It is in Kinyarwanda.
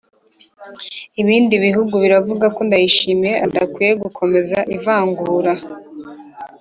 Ibindi bihugu biravuga ko Ndayishimiye adakwiye gukomeza ivangura.